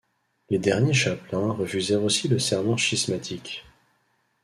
Les derniers chapelains refusèrent aussi le serment schismatique.